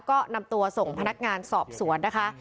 ก็นำตัวส่งพนักงานสอบสวนนะคะ